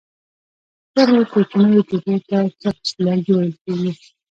دغو کوچنیو ټوټو ته چپس لرګي ویل کېږي.